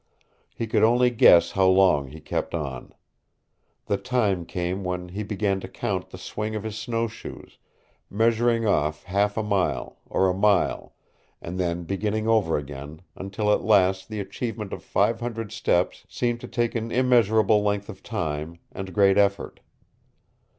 He could only guess how long he kept on. The time came when he began to count the swing of his snowshoes, measuring off half a mile, or a mile, and then beginning over again until at last the achievement of five hundred steps seemed to take an immeasurable length of time and great effort.